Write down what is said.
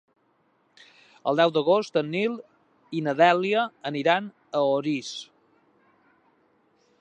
El deu d'agost en Nil i na Dèlia aniran a Orís.